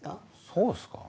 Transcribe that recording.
そうっすか？